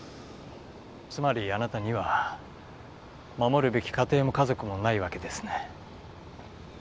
つまりあなたには守るべき家庭も家族もないわけですね？